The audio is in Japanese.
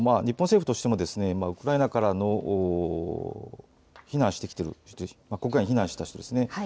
日本政府としてもウクライナからの避難してきている今回、避難した人ですね。